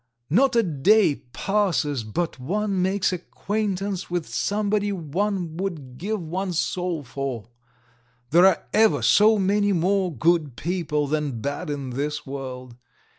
Not a day passes but one makes acquaintance with somebody one would give one's soul for. There are ever so many more good people than bad in this world.